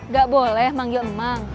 gak boleh manggil mang